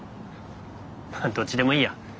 どっちでもいいや。